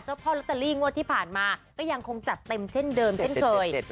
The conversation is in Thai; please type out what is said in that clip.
พ่อลอตเตอรี่งวดที่ผ่านมาก็ยังคงจัดเต็มเช่นเดิมเช่นเคย